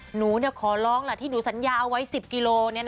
หนูขอร้องล่ะที่หนูสัญญาเอาไว้๑๐กิโล